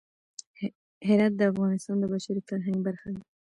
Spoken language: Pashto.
هرات د افغانستان د بشري فرهنګ برخه ده.